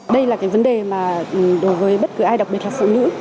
đây là cái vấn đề mà đối với bất cứ ai đặc biệt là phụ nữ